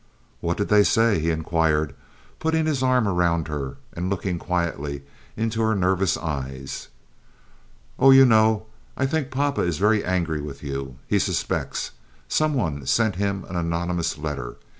"What did they say?" he inquired, putting his arm around her and looking quietly into her nervous eyes. "Oh, you know, I think papa is very angry with you. He suspects. Some one sent him an anonymous letter.